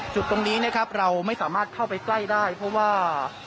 จุดตรงนี้นะครับเราไม่สามารถเข้าไปใกล้ได้เพราะว่า